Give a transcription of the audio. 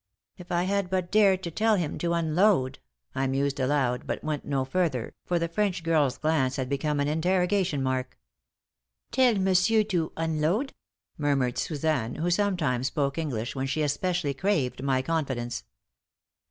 "If I had but dared to tell him to unload," I mused aloud, but went no further, for the French girl's glance had become an interrogation mark. "Tell monsieur to unload?" murmured Suzanne, who sometimes spoke English when she especially craved my confidence.